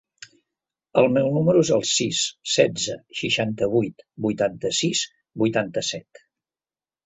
El meu número es el sis, setze, seixanta-vuit, vuitanta-sis, vuitanta-set.